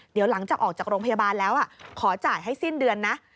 เดี๋ยวหลังจากออกจากโรงพยาบาลแล้วขอจ่ายให้สิ้นเดือนนะ